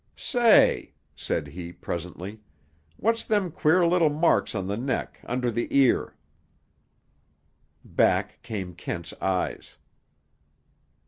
"Say," said he presently, "what's them queer little marks on the neck, under the ear?" Back came Kent's eyes.